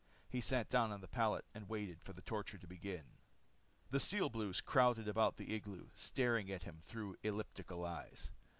He sat down on the pallet and waited for the torture to begin. The Steel Blues crowded about the igloo, staring at him through elliptical eyes.